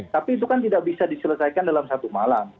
tapi itu kan tidak bisa diselesaikan dalam satu malam